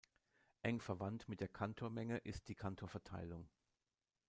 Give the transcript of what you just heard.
Eng verwandt mit der Cantormenge ist die Cantor-Verteilung.